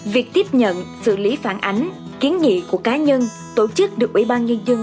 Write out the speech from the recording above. việc tiếp nhận xử lý phản ánh kiến nghị của cá nhân tổ chức được ủy ban nhân dân